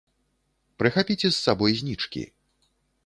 Прыхапіце з сабой знічкі!